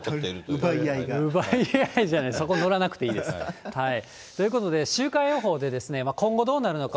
奪い合いじゃない、そこのらなくていいですから。ということで週間予報で今後どうなるのか。